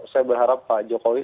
saya berharap pak jokowi